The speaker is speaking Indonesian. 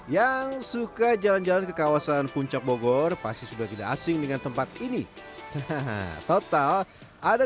yang suka jalan jalan ke kawasan puncak bogor pasti sudah tidak asing dengan tempat ini total ada